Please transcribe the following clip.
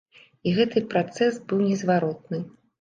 І гэты працэс быў незваротны.